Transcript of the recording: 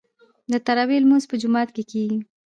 د تراويح لمونځ په جومات کې کیږي.